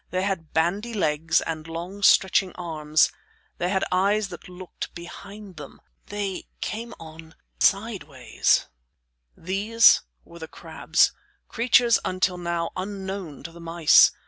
They had bandy legs and long stretching arms. They had eyes that looked behind them. They came on sideways. These were the crabs, creatures until now unknown to the mice.